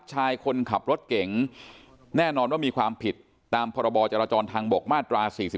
ชายคนขับรถเก่งแน่นอนว่ามีความผิดตามพรบจราจรทางบกมาตรา๔๔